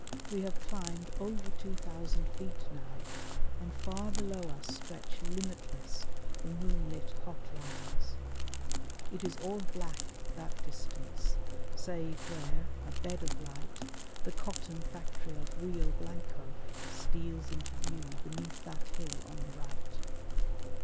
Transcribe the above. We have climbed over two thousand feet now, and far below us stretch limitless the moonlit hot lands. It is all black, that distance, save where, a bed of light, the cotton factory of Rio Blanco steals into view beneath that hill on the right.